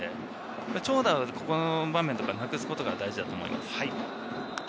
長打はこの場面とか、なくすことが大事だと思います。